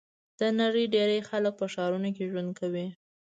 د نړۍ ډېری خلک په ښارونو کې ژوند کوي.